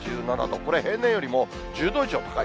これ、平年よりも１０度以上高い。